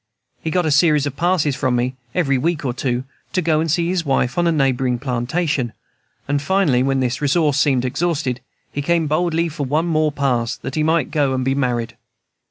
He got a series of passes from me, every week or two, to go and see his wife on a neighboring plantation, and finally, when this resource seemed exhausted, he came boldly for one more pass, that he might go and be married.